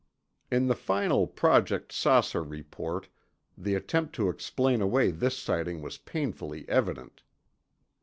(In the final Project "Saucer" report, the attempt to explain away this sighting was painfully evident.